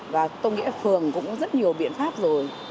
và tôi nghĩ phường cũng có rất nhiều biện pháp rồi